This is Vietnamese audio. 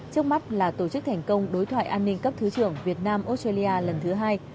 trước mắt là tổ chức thành công đối thoại an ninh cấp thứ trưởng việt nam australia lần thứ hai